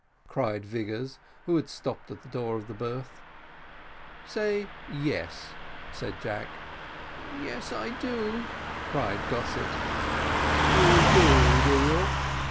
cried Vigors, who had stopped at the door of the berth. "Say yes," said Jack. "Yes, I do," cried Gossett. "You do, do you?